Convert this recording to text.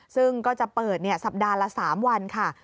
ซึ่งก็จะเปิดสัปดาห์ละ๓วันค่ะ